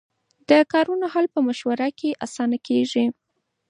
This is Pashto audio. د کارونو حل په مشوره کې اسانه کېږي.